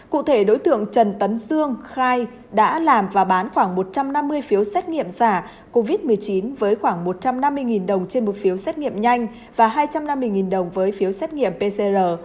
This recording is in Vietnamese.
cụ thể đối tượng trần tấn dương khai đã làm và bán khoảng một trăm năm mươi phiếu xét nghiệm giả covid một mươi chín với khoảng một trăm năm mươi đồng trên một phiếu xét nghiệm nhanh và hai trăm năm mươi đồng với phiếu xét nghiệm pcr